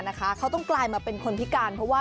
นะคะเขาต้องกลายมาเป็นคนพิการเพราะว่า